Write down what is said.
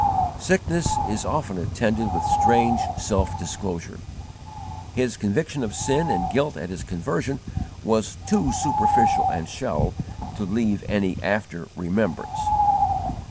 Sickness is often attended with strange self disclosure. His conviction of sin and guilt at his conversion was too superficial and shallow to leave any after remembrance.